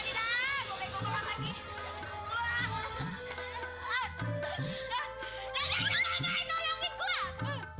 tolong karena terima kasih